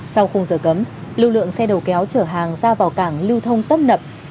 sau khung giờ cấm lưu lượng xe đầu kéo chở hàng ra vào cảng lưu thông tấp nập